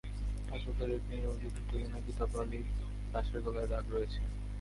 হাসপাতালের একটি নির্ভরযোগ্য সূত্র জানায়, কিতাব আলীর লাশের গলায় দাগ রয়েছে।